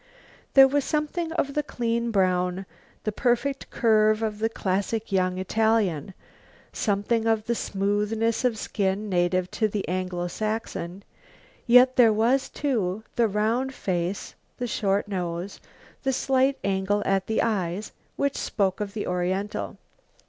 There was something of the clean brown, the perfect curve of the classic young Italian; something of the smoothness of skin native to the Anglo Saxon, yet there was, too, the round face, the short nose, the slight angle at the eyes which spoke of the oriental.